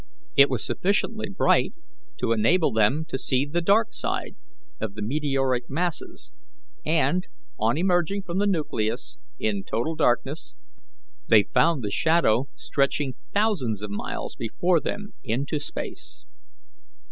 It was sufficiently bright to enable them to see the dark side of the meteoric masses, and, on emerging from the nucleus in total darkness, they found the shadow stretching thousands of miles before them into space.